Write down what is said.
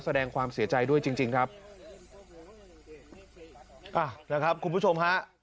แสดงความเสียใจด้วยจริงจริงครับอ่ะนะครับคุณผู้ชมฮะ